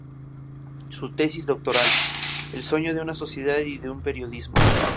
Su tesis doctoral "El sueño de una sociedad y de un periodismo.